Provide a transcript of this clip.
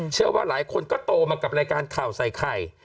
เชื่อว่าหลายคนก็โตมากับรายการข่าวใส่ไข่